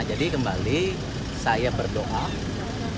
jadi kembali saya berdoa